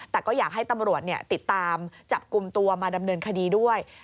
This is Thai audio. แต่ก็อยากให้ตำรวจติดตามจับกลุ่มตัวมาดำเนินคดีด้วย